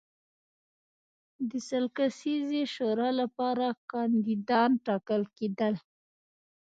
د سل کسیزې شورا لپاره کاندیدان ټاکل کېدل.